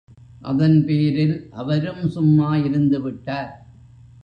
அதன்பேரில் அவரும் சும்மா இருந்துவிட்டார்.